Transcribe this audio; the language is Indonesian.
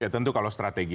ya tentu kalau strategi